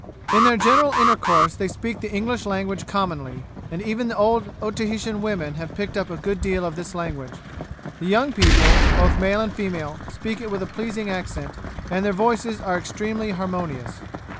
In their general intercourse they speak the English language commonly; and even the old Otaheitan women have picked up a good deal of this language. The young people, both male and female, speak it with a pleasing accent, and their voices are extremely harmonious.